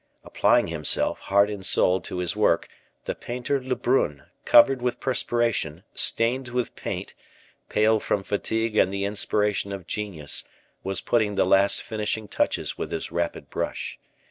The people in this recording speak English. Applying himself, heart and soul, to his work, the painter Lebrun, covered with perspiration, stained with paint, pale from fatigue and the inspiration of genius, was putting the last finishing touches with his rapid brush.